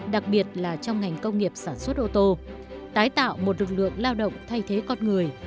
đặc biệt là trong ngành công nghiệp sản xuất ô tô tái tạo một lực lượng lao động thay thế con người